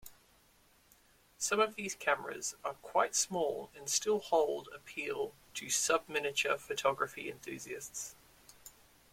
Some of these cameras are quite small and still hold appeal to subminiature-photography enthusiasts.